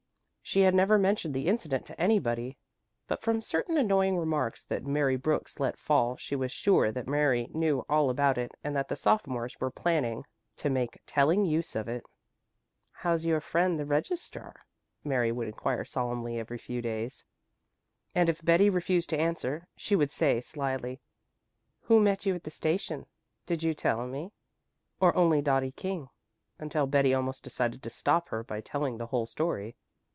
She had never mentioned the incident to anybody, but from certain annoying remarks that Mary Brooks let fall she was sure that Mary knew all about it and that the sophomores were planning to make telling use of it. "How's your friend the registrar?" Mary would inquire solemnly every few days. And if Betty refused to answer she would say slyly, "Who met you at the station, did you tell me? Oh, only Dottie King?" until Betty almost decided to stop her by telling the whole story.